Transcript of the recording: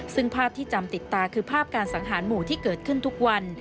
ซึ่งภาพที่จำติดตาคือภาพการสังหารหมู่ที่เกิดขึ้นทุกวัน